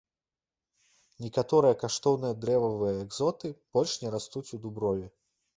Некаторыя каштоўныя дрэвавыя экзоты больш не растуць у дуброве.